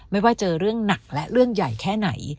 ไม่ว่าเจอเรื่องหนักและเรื่องใหญ่แค่ไหน